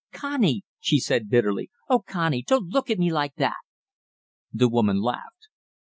"Connie," she said bitterly, "oh, Connie, don't look at me like that!" The woman laughed.